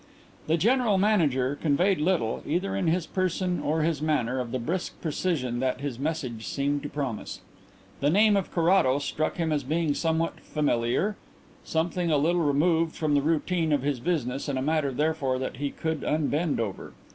The General Manager conveyed little, either in his person or his manner, of the brisk precision that his message seemed to promise. The name of Carrados struck him as being somewhat familiar something a little removed from the routine of his business and a matter therefore that he could unbend over.